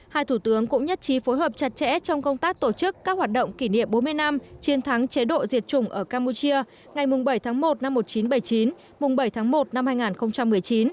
hai thủ tướng cũng nhất trí phối hợp chặt chẽ trong công tác tổ chức các hoạt động kỷ niệm bốn mươi năm chiến thắng chế độ diệt chủng ở campuchia ngày bảy tháng một năm một nghìn chín trăm bảy mươi chín bảy tháng một năm hai nghìn một mươi chín